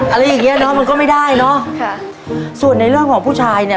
อะไรอย่างเงี้เนอะมันก็ไม่ได้เนอะค่ะส่วนในเรื่องของผู้ชายเนี้ย